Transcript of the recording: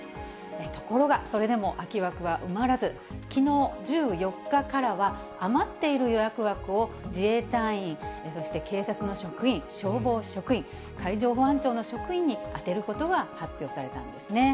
ところが、それでも空き枠は埋まらず、きのう１４日からは、余っている予約枠を自衛隊員、そして警察の職員、消防職員、海上保安庁の職員に充てることが発表されたんですね。